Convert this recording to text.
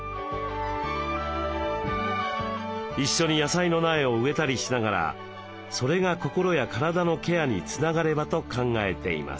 一緒に野菜の苗を植えたりしながらそれが心や体のケアにつながればと考えています。